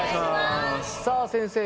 さあ先生